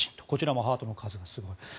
こちらもハートの数がすごい。